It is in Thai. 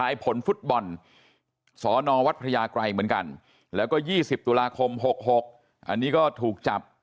อยู่วัดพระยากรรย์เหมือนกันและก็๒๐ตุลาคม๖๖อันนี้ก็ถูกจับ